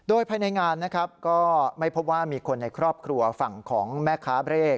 โดยภายในงานนะครับก็ไม่พบว่ามีคนในครอบครัวฝั่งของแม่ค้าเร่